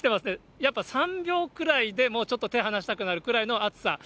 やっぱり３秒ぐらいで、もうちょっと、手、離したくなるくらいの暑さ。